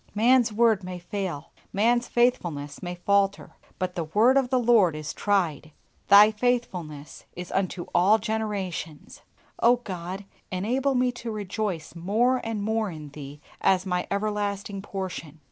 Man's word may fail, man's faithfulness may falter, but "the word of the Lord is tried," Thy faithfulness is unto all generations! O God, enable me to rejoice more and more in Thee as my everlasting portion.